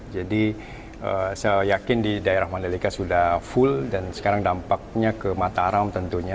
jadi saya yakin di daerah mandalika sudah full dan sekarang dampaknya ke mataram tentunya